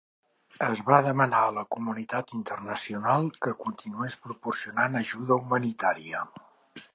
Es va demanar a la comunitat internacional que continués proporcionant ajuda humanitària.